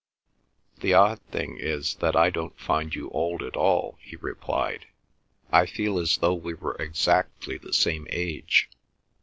"The odd thing is that I don't find you old at all," he replied. "I feel as though we were exactly the same age.